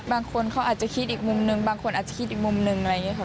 บางคนเขาอาจจะคิดอีกมุมนึงบางคนอาจจะคิดอีกมุมหนึ่งอะไรอย่างนี้ค่ะ